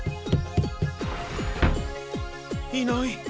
いない。